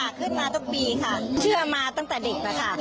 ค่ะขึ้นมาทุกปีค่ะเชื่อมาตั้งแต่เด็กนะคะ